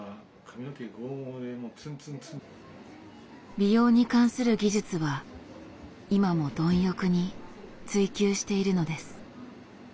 美容に関する技術は今も貪欲に追求しているのです。